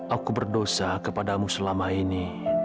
aku berdosa kepadamu selama ini